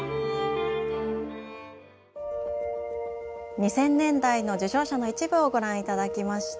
２０００年代の受賞者の一部をご覧頂きました。